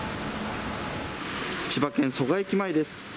千葉県蘇我駅前です。